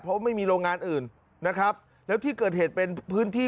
เพราะไม่มีโรงงานอื่นนะครับแล้วที่เกิดเหตุเป็นพื้นที่